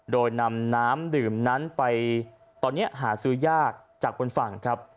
โดยนำน้ำดื่มนั้นไปตอนนี้หาซื้อยากจากบนฝั่งครับ